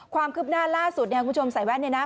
ความคืบหน้าล่าสุดเนี่ยคุณผู้ชมใส่แว่นเนี่ยนะ